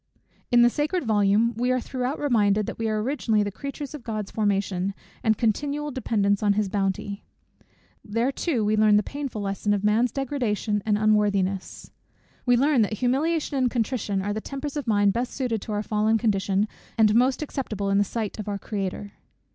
In the sacred volume we are throughout reminded, that we are originally the creatures of God's formation, and continual dependents on his bounty. There too we learn the painful lesson of man's degradation and unworthiness. We learn that humiliation and contrition are the tempers of mind best suited to our fallen condition, and most acceptable in the sight of our Creator.